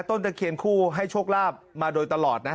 ต้นตะเขียนคู่ให้โชคลาภต้นตะเขียนมาโดยตลอดนะ